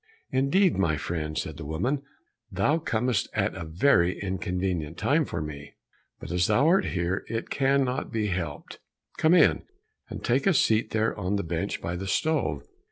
"Indeed, my friend," said the woman, "thou comest at a very inconvenient time for me, but as thou art here it can't be helped, come in, and take a seat there on the bench by the stove."